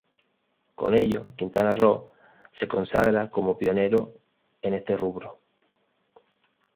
Con ello Quintana Roo se consagra como pionero en este rubro.